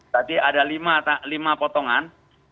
tadi ada lima potongan